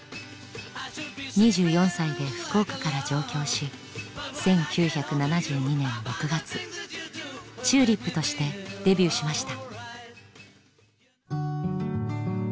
２４歳で福岡から上京し１９７２年６月ＴＵＬＩＰとしてデビューしました。